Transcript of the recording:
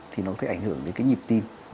thì nó có thể ảnh hưởng đến cái nhịp tim